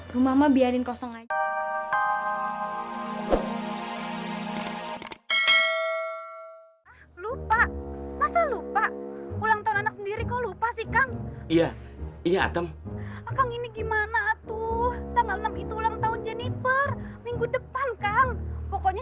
rumah mah biarin kosong aja